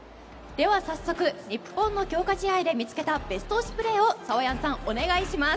では早速日本の強化試合で見つけたベスト推しプレーをサワヤンさん、お願いします。